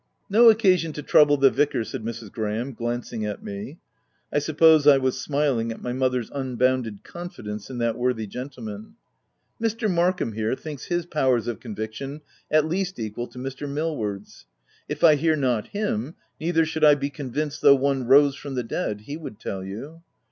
" No occasion to trouble the vicar/' said Mrs. Graham, glancing at me — I suppose I was smiling at my mother's unbounded con fidence in that worthy gentleman — "Mr. Mark ham here, thinks his powers of conviction at least equal to Mr. Miliward's. If I hear not him, neither should I be convinced though one rose from the dead, he would tell you.